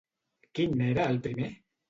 Quin n'era el primer?